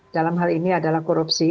dalam hal ini adalah korupsi